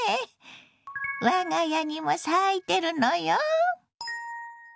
我が家にも咲いてるのよ。